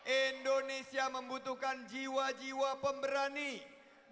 indonesia membutuhkan jiwa jiwa pemberani